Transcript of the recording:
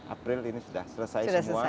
april ini sudah selesai semua